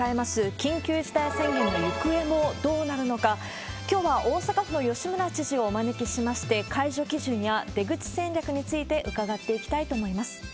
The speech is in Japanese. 緊急事態宣言の行方もどうなるのか、きょうは大阪府の吉村知事をお招きしまして、解除基準や出口戦略について伺っていきたいと思います。